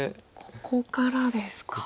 ここからですか。